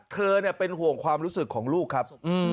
เธอเป็นห่วงความรู้สึกของลูกครับ